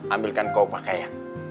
ambilkan kau pake ya